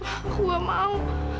aku gak mau